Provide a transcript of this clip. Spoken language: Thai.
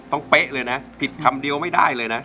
เป๊ะเลยนะผิดคำเดียวไม่ได้เลยนะ